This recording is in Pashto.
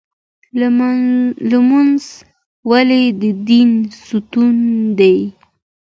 لمونځ ولې د دین ستون دی؟